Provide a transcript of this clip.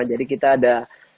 jadi kita ada